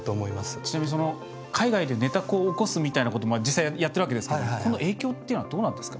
ちなみに海外で寝た子を起こすみたいなこと実際、やってるわけですけどこの影響っていうのはどうなんですか？